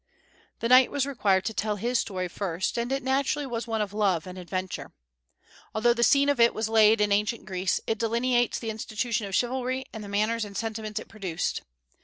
The knight was required to tell his story first, and it naturally was one of love and adventure. Although the scene of it was laid in ancient Greece, it delineates the institution of chivalry and the manners and sentiments it produced.